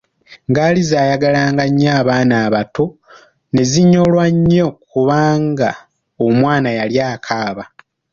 Ngaali z'ayagala nga nnyo abaana abato, ne zinyolwa nnyo kubanga omwana yali akaaba.